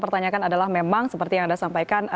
pertanyakan adalah memang seperti yang anda sampaikan